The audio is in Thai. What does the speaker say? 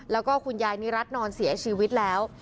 แล้วก็คุณยายนิรัตินอนเสียชีวิตแล้ว